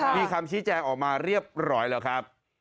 มีคำชี้แจงออกมาเรียบร้อยแล้วครับ